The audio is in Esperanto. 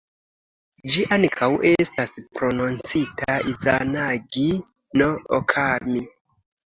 Ĝi ankaŭ estas prononcita "Izanagi-no-Okami".